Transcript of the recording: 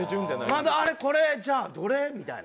まだあれこれじゃあどれ？みたいな。